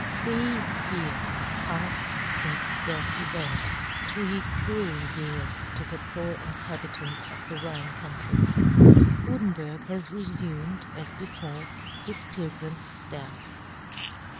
Three years 90 "John Gutenberg. have paffed fince that event, three cruel years to the poor inhabitants of the Rhine country. Gutenberg has refumed, as before, his pilgrim's ftafF.